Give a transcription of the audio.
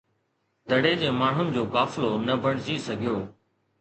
دڙي جي ماڻهن جو قافلو نه بڻجي سگهيو.